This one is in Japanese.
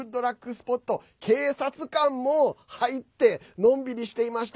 スポット警察官も入ってのんびりしていました。